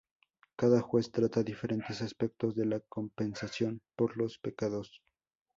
Cada juez trata diferentes aspectos de la compensación por los pecados.